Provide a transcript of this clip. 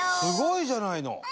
すごいじゃないの！